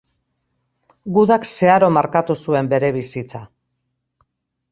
Gudak zeharo markatu zuen bere bizitza.